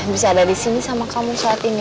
bisa ada disini sama kamu saat ini